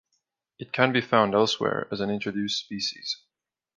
It can be found elsewhere as an introduced species.